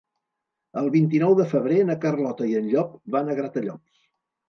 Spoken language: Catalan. El vint-i-nou de febrer na Carlota i en Llop van a Gratallops.